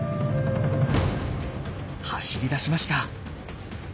走り出しました。